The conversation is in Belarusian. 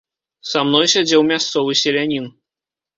Са мной сядзеў мясцовы селянін.